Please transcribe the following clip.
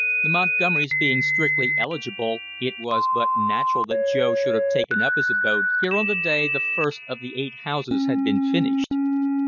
The Montgomerys being strictly eligible, it was but natural that Joe should have taken up his abode here on the day the first of the eight houses had been finished.